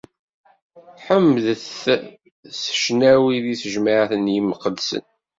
Ḥemdet- t s ccnawi di tejmaɛt n yimqedsen!